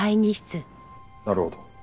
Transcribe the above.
なるほど。